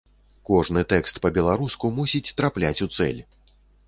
Кожны тэкст па-беларуску мусіць трапляць у цэль.